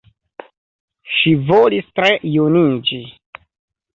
Ŝi volis tre juniĝi.